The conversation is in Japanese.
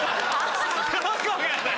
どこがだよ！